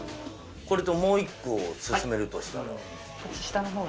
これともう１個薦めるとしたら？